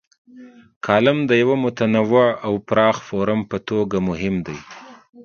کالم د یوه متنوع او پراخ فورم په توګه مهم دی.